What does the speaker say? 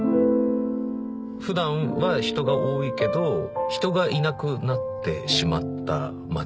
普段は人が多いけど人がいなくなってしまった街。